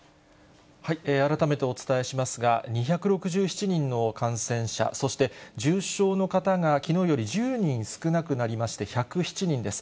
改めてお伝えしますが、２６７人の感染者、そして重症の方がきのうより１０人少なくなりまして、１０７人です。